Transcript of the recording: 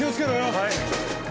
はい。